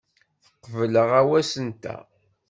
Teqbel aɣawas-nteɣ.